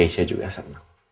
keisha juga seneng